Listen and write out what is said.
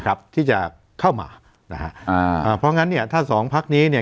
ครับที่จะเข้ามานะฮะอ่าอ่าเพราะงั้นเนี่ยถ้าสองพักนี้เนี่ย